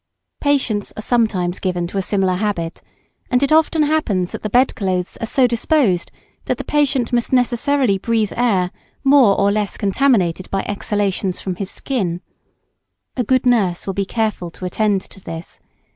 Patients are sometimes given to a similar habit, and it often happens that the bed clothes are so disposed that the patient must necessarily breathe air more or less contaminated by exhalations from his skin. A good nurse will be careful to attend to this.